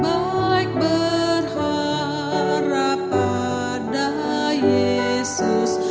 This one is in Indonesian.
baik berharap pada yesus